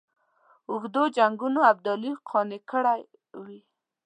اوږدو جنګونو ابدالي قانع کړی وي.